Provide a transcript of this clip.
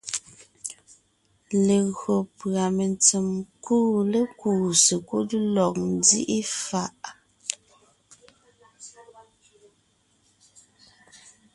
Legÿo pʉ́a mentsèm kuʼu lékúu sekúd lɔg nzíʼi fàʼ,